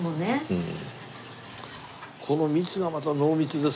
うん。